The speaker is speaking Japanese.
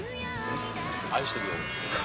愛してるよ。